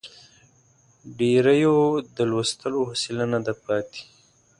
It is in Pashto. ډېریو د لوستلو حوصله نه ده پاتې.